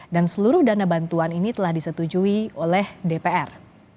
dan seluruh dana bantuan ini telah disetujui oleh dpr